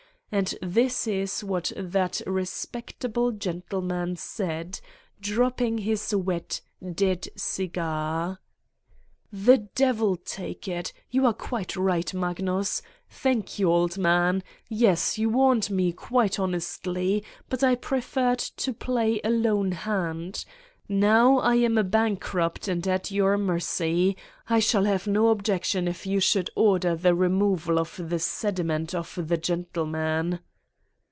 And this is what that respectable gentleman said, dropping his wet, dead cigar: "The devil take it! You are quite right, Mag nus. Thank you, old man. Yes, you warned me quite honestly, but I preferred to play a lone hand. Now I am a bankrupt and at your mercy. I shall have no objection if you should order the removal of the sediment of the gentleman."